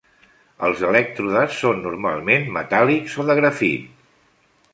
Els elèctrodes són normalment metàl·lics o de grafit.